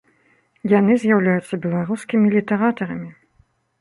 Яны з'яўляюцца беларускімі літаратарамі!